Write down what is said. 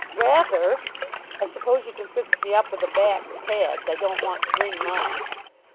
"Rather. I suppose you can fix me up with a bat and pads? I don't want to bring mine."